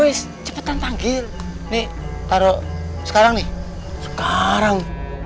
wis cepetan tanggil ini taruh sekarang nih sekarang